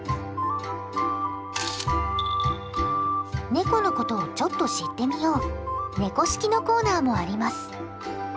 ネコのことをちょっと知ってみよう「猫識」のコーナーもあります。